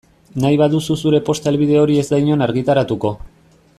Nahi baduzu zure posta helbide hori ez da inon argitaratuko.